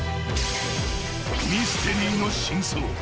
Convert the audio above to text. ［ミステリーの真相。